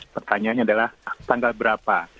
pertanyaannya adalah tanggal berapa